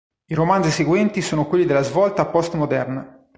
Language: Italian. I romanzi seguenti sono quelli della svolta post-moderna.